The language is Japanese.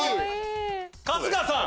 春日さん！